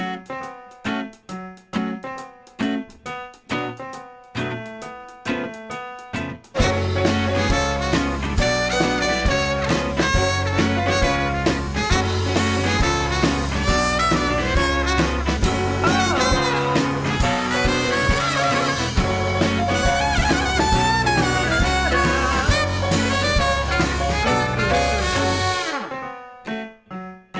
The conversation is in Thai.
น้ำตาลค่ะอ่าผักชีฝรั่งค่ะอ่าผักชีฝรั่งค่ะอันไปนะครับผม